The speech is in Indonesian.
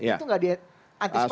itu gak di antispasang